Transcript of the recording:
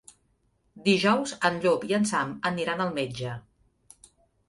Dijous en Llop i en Sam aniran al metge.